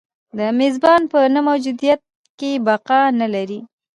د میزبان په نه موجودیت کې بقا نه لري.